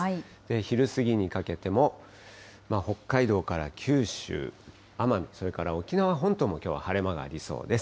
昼過ぎにかけても、北海道から九州、奄美、それから沖縄本島もきょうは晴れ間がありそうです。